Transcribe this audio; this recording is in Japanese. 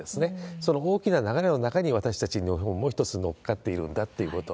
その大きな流れの中に私たちのほうも、一つ乗っかっているんだということ。